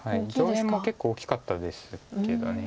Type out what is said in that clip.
上辺も結構大きかったですけど。